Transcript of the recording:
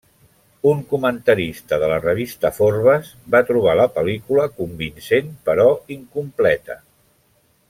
Un comentarista de la revista Forbes va trobar la pel·lícula convincent però incompleta.